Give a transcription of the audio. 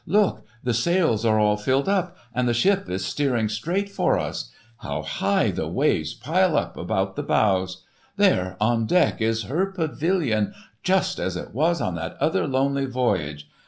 "Look! the sails are all filled up, and the ship is steering straight for us. How high the waves pile up about the bows! There on deck is _her pavilion, just as it was on that other lonely voyage.